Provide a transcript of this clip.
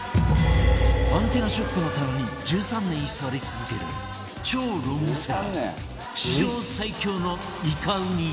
アンテナショップの棚に１３年居座り続ける超ロングセラー史上最強のいかウニ漬け